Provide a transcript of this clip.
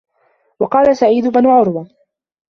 وَقَالَ سَعِيدُ بْنُ عُرْوَةَ